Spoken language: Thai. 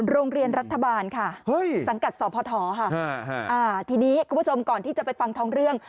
โรงเรียนรัฐบาลค่ะสังกัดสพค่ะทีนี้คุณผู้ชมก่อนที่จะไปฟังท้องเรื่อง